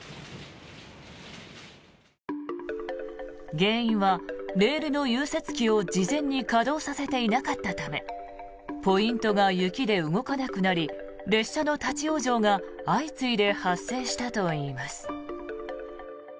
原因はレールの融雪機を事前に稼働させていなかったためポイントが雪で動かなくなり列車の立ち往生が相次いで発生したといいます。